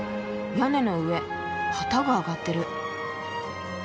屋根の上旗があがってる。